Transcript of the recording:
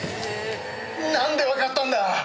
なんでわかったんだ！